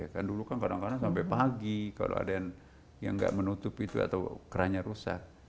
kan dulu kan kadang kadang sampai pagi kalau ada yang nggak menutup itu atau kerannya rusak